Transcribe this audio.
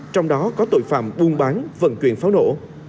trong đó có tội phạm buôn bán vận chuyển pháo nổ